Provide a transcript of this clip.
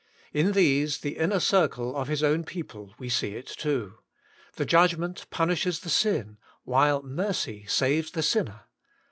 In these, the inner circle of His own people, we see it too : th« judgment punishes the sin, while mercy saves the sinner.